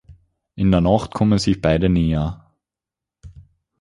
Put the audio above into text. In der Nacht kommen sich beide näher.